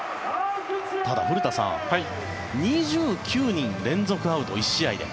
ただ、古田さん２９人連続アウト、１試合で。